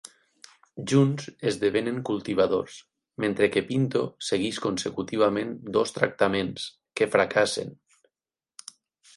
Junts esdevenen cultivadors, mentre que Pinto segueix consecutivament dos tractaments, que fracassen.